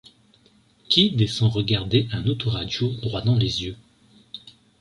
qui descend regarder un autoradio droit dans les yeux.